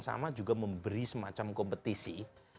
sama juga memberi semacam kompetisi